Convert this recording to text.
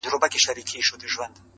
په کالیو کي یې پټ ول اندامونه -